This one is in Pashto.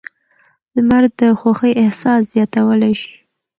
لمر د خوښۍ احساس زیاتولی شي.